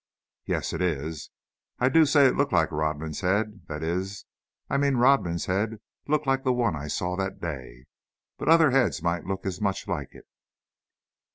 "Yes, it is. I do say it looked like Rodman's head, that is, I mean, Rodman's head looked like the one I saw that day. But other heads might look as much like it."